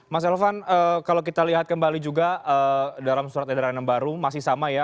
mas elvan kalau kita lihat kembali juga dalam surat edaran yang baru masih sama ya